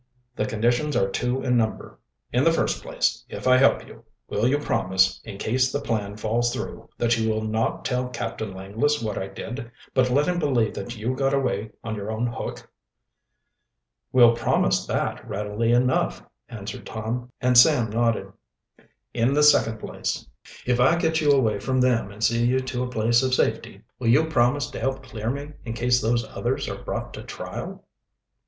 "The conditions are two in number. In the first place, if I help you, will you promise, in case the plan falls through, that you will not tell Captain Langless what I did, but let him believe that you got away on your own hook?" "We'll promise that readily enough," answered Tom, and Sam nodded. "In the second place, if I get you away from them and see you to a place of safety, will you promise to help clear me in case those others are brought to trial?"